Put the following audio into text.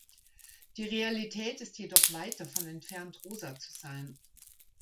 Die Realität ist jedoch weit davon entfernt, rosa zu sein.